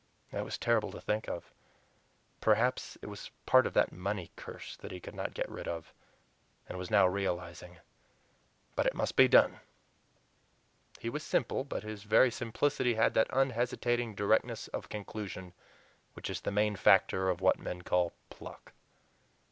It was terrible to think of; perhaps it was part of that money curse that he could not get rid of, and was now realizing; but it MUST be done. He was simple, but his very simplicity had that unhesitating directness of conclusion which is the main factor of what men call "pluck."